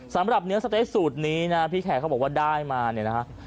สำหรับเนื้อสะเต๊ะสูตรนี้นะพี่แคร์เขาบอกว่าได้มาเนี่ยนะฮะ